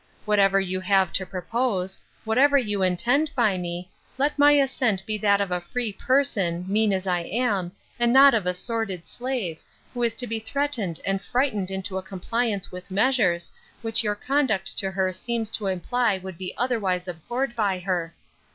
Whatever you have to propose, whatever you intend by me, let my assent be that of a free person, mean as I am, and not of a sordid slave, who is to be threatened and frightened into a compliance with measures, which your conduct to her seems to imply would be otherwise abhorred by her.